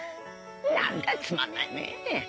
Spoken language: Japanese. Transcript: なんだいつまんないね！